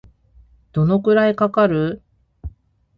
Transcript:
どのくらいかかる